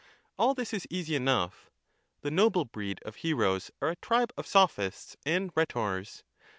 All this is easy enough ; the noble breed of heroes are a tribe of sophists and rhetors.